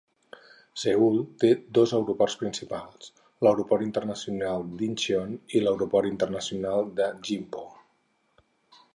Seül té dos aeroports principals: l'Aeroport Internacional d'Incheon i l'Aeroport Internacional de Gimpo.